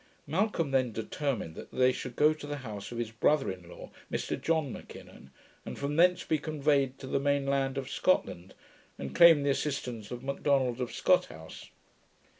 Malcolm then determined that they should go to the house of his brother in law, Mr John M'Kinnon, and from thence be conveyed to the main land of Scotland, and claim the assistance of Macdonald of Scothouse.